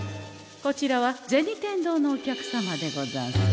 こちらは銭天堂のお客様でござんす。